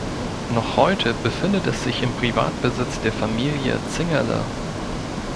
Noch heute befindet es sich im Privatbesitz der Familie Zingerle.